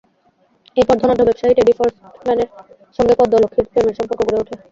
এরপর ধনাঢ্য ব্যবসায়ী টেডি ফর্স্টম্যানের সঙ্গে পদ্ম লক্ষ্মীর প্রেমের সম্পর্ক গড়ে ওঠে।